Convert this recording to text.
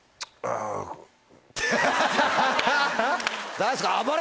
何ですか。